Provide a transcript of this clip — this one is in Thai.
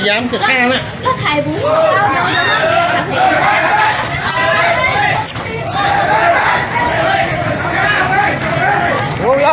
รถมันต่อไปเสียเนอะ